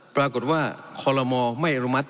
ปรากฏว่าคลมไม่อนุมัติ